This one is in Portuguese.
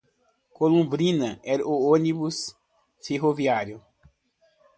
Colubrina era o obus ferroviário